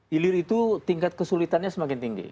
hilir itu tingkat kesulitannya semakin tinggi